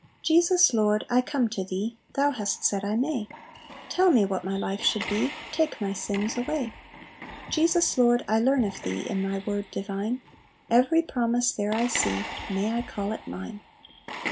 "Jesus, Lord, I come to Thee, Thou hast said I may; Tell me what my life should be, Take my sins away. "Jesus, Lord, I learn of Thee, In Thy word divine; Every promise there I see, May I call it mine!" 11.